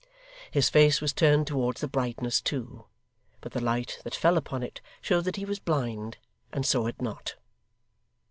His face was turned towards the brightness, too, but the light that fell upon it showed that he was blind, and saw it not.